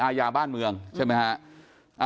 อาญาบ้านเมืองใช่ไหมฮะ